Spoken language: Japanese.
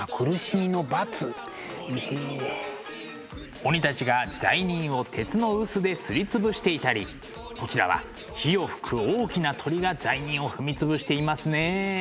鬼たちが罪人を鉄の臼ですり潰していたりこちらは火を吹く大きな鳥が罪人を踏み潰していますねえ。